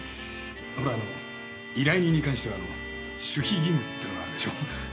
ほらあの依頼人に関しては守秘義務ってのがあるでしょ。